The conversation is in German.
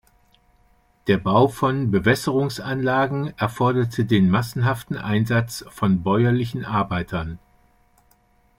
Der Bau von Bewässerungsanlagen erforderte den massenhaften Einsatz von bäuerlichen Arbeitern.